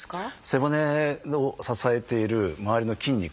背骨を支えている周りの筋肉。